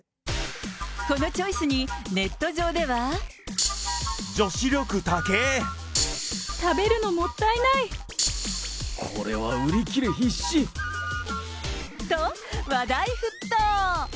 このチョイスに、ネット上では。食べるのもったいない！と、話題沸騰。